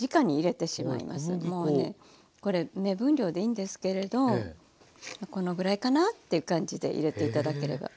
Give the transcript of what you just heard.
もうねこれ目分量でいいんですけれどこのぐらいかなっていう感じで入れて頂ければ。